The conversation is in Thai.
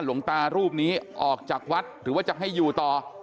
หลวงตารูปนี้ออกจากวัดหรือว่าจะให้อยู่ต่อ